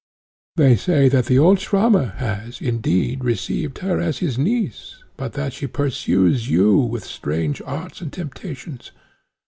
They say that the old Mr. Swammer has, indeed, received her as his niece, but that she pursues you with strange arts and temptations.